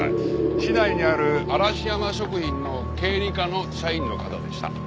市内にある嵐山食品の経理課の社員の方でした。